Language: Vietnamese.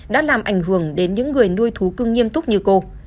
đã làm ảnh hưởng đến những người nuôi thú cưng nghiêm túc như cô